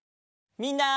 みんな。